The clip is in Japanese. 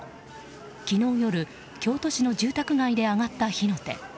昨日夜、京都市の住宅街で上がった火の手。